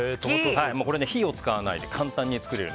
これ、火を使わないで簡単に作れる。